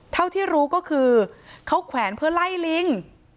เท่าที่รู้ก็คือเขาแขวนเพื่อไล่ลิง